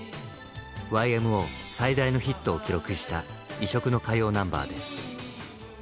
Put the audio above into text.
ＹＭＯ最大のヒットを記録した異色の歌謡ナンバーです。